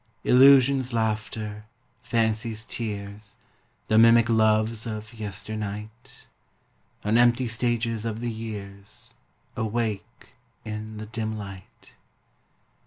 Illusion's laughter, fancy's tears, The mimic loves of yesternight, On empty stages of the years Awake in the dim light.